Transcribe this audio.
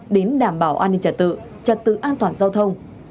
đến đảm bảo an ninh trả tự trật tự an toàn giao thông